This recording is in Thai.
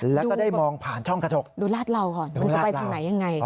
แล้วก็ได้มองผ่านช่องกระจกดูลาดลาวค่ะลาดลาว